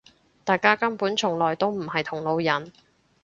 大家根本從來都唔係同路人